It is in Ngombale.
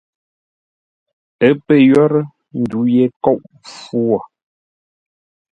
Ə́ pə̂ yórə́, ndu ye kôʼ mpfu wo.